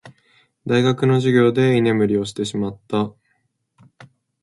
大学の授業で居眠りをしてしまった。